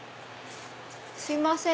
すいません。